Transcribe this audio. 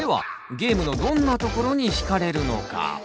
ゲームのどんなところに惹かれるのか？